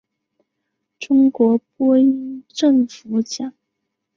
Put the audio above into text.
中国播音政府奖。